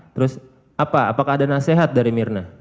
terus apa apakah ada nasihat dari mirna